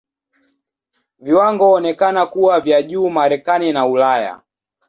Viwango huonekana kuwa vya juu Marekani na Ulaya.